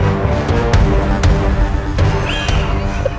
untuk rival wilayah